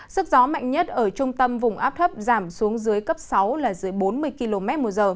sức gió mạnh nhất ở trung tâm vùng áp thấp giảm xuống dưới cấp sáu là dưới bốn mươi km một giờ